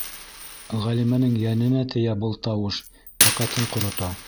Ғәлимәнең йәненә тейә был тауыш, тәҡәтен ҡорота.